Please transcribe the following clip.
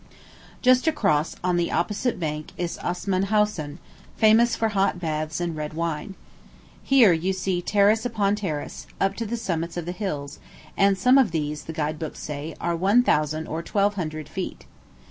Just across, on the opposite bank, is Assmanshausen, famous for hot baths and red wine. Here you see terrace upon terrace, up to the summits of the hills; and some of these, the guide books say, are one thousand or twelve hundred feet.